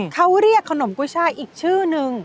เขาเรียกขนมกุ้ยช่ายอีกชื่อนึง